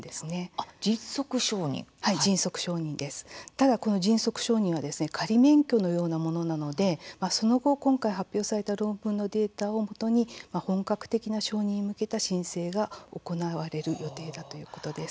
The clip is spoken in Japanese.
ただ、この迅速承認は仮免許のようなものなのでその後、今回発表された論文のデータを基に本格的な承認に向けた申請が行われる予定だということです。